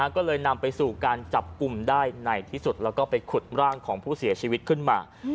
ก็เลยนำไปสู่การจับกลุ่มได้ในที่สุดแล้วก็ไปขุดร่างของผู้เสียชีวิตขึ้นมา